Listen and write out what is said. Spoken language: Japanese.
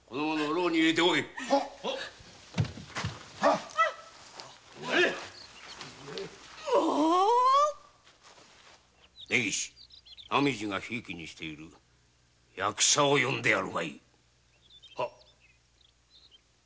浪路がひいきにしている役者を呼んでやるがいい。